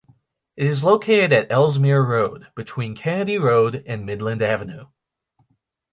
It is located at Ellesmere Road, between Kennedy Road and Midland Avenue.